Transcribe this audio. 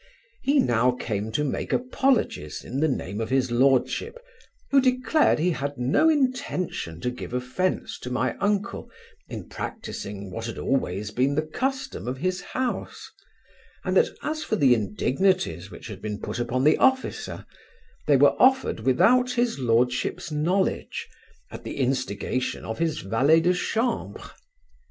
He now came to make apologies in the name of his lordship, who declared he had no intention to give offence to my uncle, in practising what had been always the custom of his house; and that as for the indignities which had been put upon the officer, they were offered without his Lordship's knowledge, at the instigation of his valet de chambre.